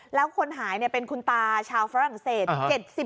แล้วคนหายเป็นคุณตาชาวฝรั่งเศส